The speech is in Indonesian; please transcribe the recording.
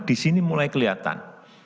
di sini mulai kelihatan